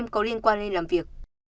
có liên quan lên làm việc